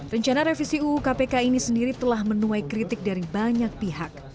rencana revisi uu kpk ini sendiri telah menuai kritik dari banyak pihak